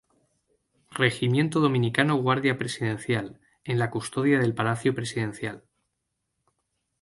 Regimiento Dominicano Guardia Presidencial, en la custodia del Palacio Presidencial.